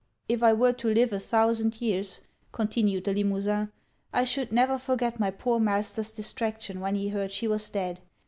'If I were to live a thousand years,' continued Le Limosin, 'I should never forget my poor master's distraction when he heard she was dead.